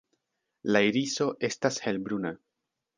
La iriso estas helbruna.